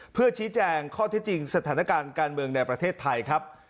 เพื่อชี้แจงข้อที่จริงสถานการณ์การเมืองในประเทศไทยครับ